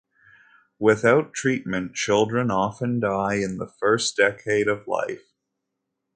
Without treatment, children often die in the first decade of life.